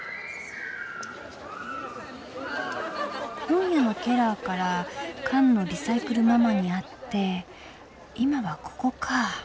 本屋のケラーから缶のリサイクルママに会って今はここか。